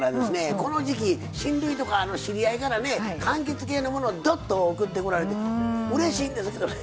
この時期親類とか知り合いからねかんきつ系のものをどっと送ってこられてうれしいんですけどね